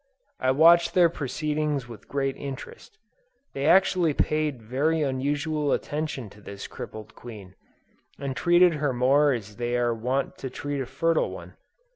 I watched their proceedings with great interest; they actually paid very unusual attention to this crippled queen, and treated her more as they are wont to treat a fertile one.